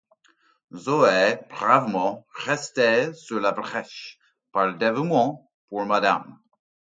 Zoé, bravement, restait sur la brèche, par dévouement pour madame.